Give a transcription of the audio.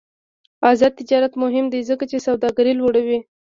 آزاد تجارت مهم دی ځکه چې سوداګري لوړوي.